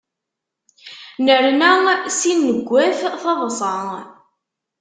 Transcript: Nerna s ineggwaf taḍsa.